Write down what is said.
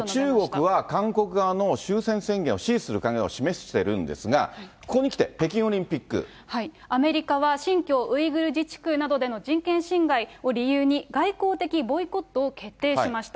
中国は韓国側の終戦宣言を支持する考えを示しているんですが、アメリカは新疆ウイグル自治区などでの人権侵害を理由に、外交的ボイコットを決定しました。